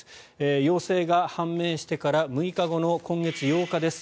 陽性が判明してから６日後の今月８日です。